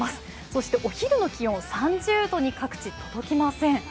そしてお昼の気温３０度に各地、届きません。